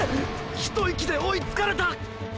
一息で追いつかれた！！